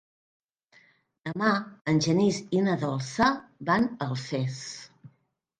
Demà en Genís i na Dolça van a Alfés.